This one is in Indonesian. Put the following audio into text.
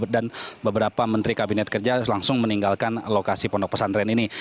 dan beberapa menteri kabinet kerja ya langsung meninggalkan lokasi pondok pesantren ini